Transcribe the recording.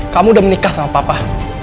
kamu udah menikah sama papa